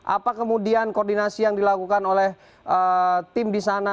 apa kemudian koordinasi yang dilakukan oleh tim di sana